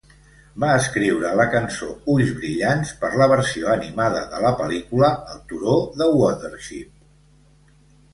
Va escriure la cançó "Ulls Brillants" per la versió animada de la pel·lícula "El Turó de Watership".